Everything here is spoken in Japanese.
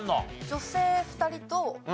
女性２人と。